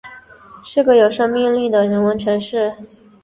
是个有生命力的人文城市